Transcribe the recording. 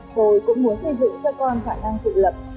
hồi cũng muốn xây dựng cho con khả năng tự lập